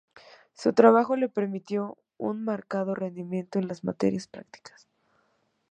Su trabajo le permitió un marcado rendimiento en las materias prácticas.